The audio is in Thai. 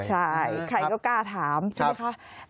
ใช่ใครก็กล้าถามใช่ไหมคะ